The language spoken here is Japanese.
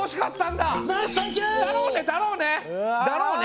だろうねだろうね！